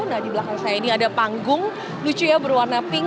nah di belakang saya ini ada panggung lucu ya berwarna pink